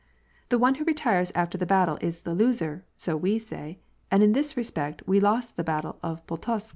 The one who retires after the battle is the loser, so we ssy, and in this respect we lost the battle of Pultusk.